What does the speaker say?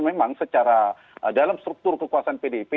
memang secara dalam struktur kekuasaan pdip